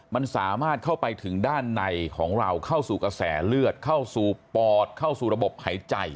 มันสามารถเข้าไปถึงด้านในของเราเข้าสู่กระแสเลือดเข้าสู่ปอดเข้าสู่ระบบหายใจ